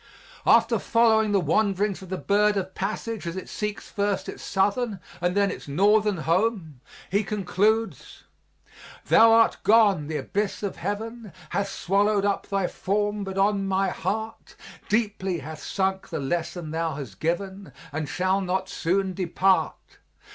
After following the wanderings of the bird of passage as it seeks first its southern and then its northern home, he concludes: Thou art gone; the abyss of heaven Hath swallowed up thy form, but on my heart Deeply hath sunk the lesson thou hast given, And shall not soon depart.